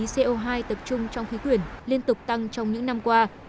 co hai tập trung trong khí quyển liên tục tăng trong những năm qua